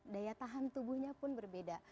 daya tahan tubuhnya pun berbeda